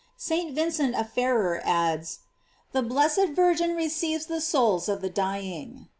"* St. Vincent of Ferrer adds: The blessed Virgin receives the souls of the dying.